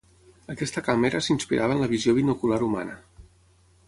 Aquesta càmera s'inspirava en la visió binocular humana.